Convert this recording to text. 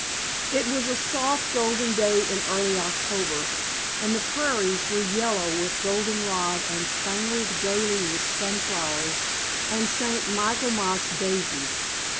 It was a soft golden day in early October, and the prairies were yellow with goldenrod and spangled gayly with sunflowers and St. Michaelmas daisies.